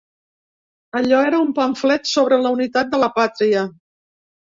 Allò era un pamflet sobre la unitat de la pàtria.